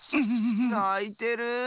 ないてる！